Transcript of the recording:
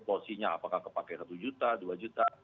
kursinya apakah kepakai rp satu juta rp dua juta